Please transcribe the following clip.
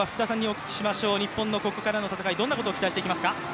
日本のここからの戦いどんなことを期待していきますか？